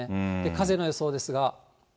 風の予想ですが。